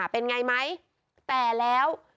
เป็นไงไหมแต่แล้ว